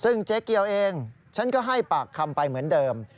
ซึ่งเจ๊เกียวเองฉันก็ให้ปากคำไปเหมือนเดิม